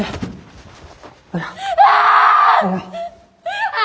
ああ！